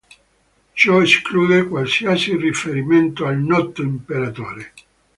Ciò esclude qualsiasi riferimento al noto imperatore.